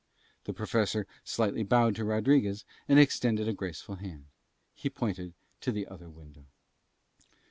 The Professor slightly bowed to Rodriguez and extended a graceful hand. He pointed to the other window.